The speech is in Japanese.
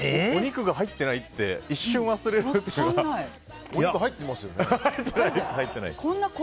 お肉が入ってないって一瞬忘れるような。